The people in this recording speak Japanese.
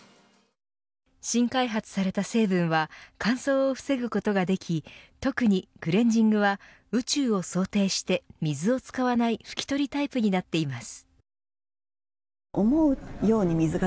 新開発された成分は乾燥を防ぐことができ特にクレンジングは宇宙を想定して水を使わないふき取りタイプになっています。